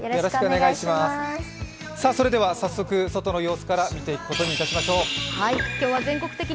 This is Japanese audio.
それでは早速、外の様子から見ていくことにいたしましょう。